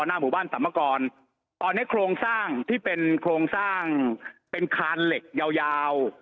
หน้าหมู่บ้านสรรพากรตอนนี้โครงสร้างที่เป็นโครงสร้างเป็นคานเหล็กยาวยาว